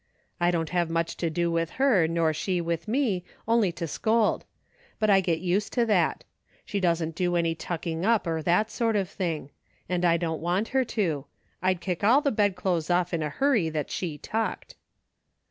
" I don't have much to do with her, nor she with me, only to scold ; but I get used to that. She doesn't do any tucking up, or that sort of thing. And I don't want her to ; I'd kick all the bed clothes off in a hurry that she tucked."